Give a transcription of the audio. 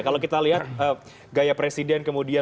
kalau kita lihat gaya presiden kemudian